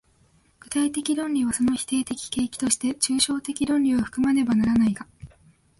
具体的論理はその否定的契機として抽象的論理を含まねばならないが、